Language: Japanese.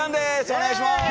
お願いします。